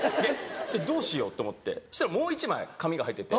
どうしよう？と思ってそしたらもう１枚紙が入ってて。